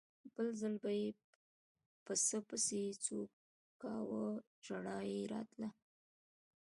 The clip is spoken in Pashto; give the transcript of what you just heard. بل ځل به یې پسه پسې څو کاوه ژړا یې راتله.